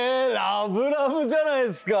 ラブラブじゃないですか！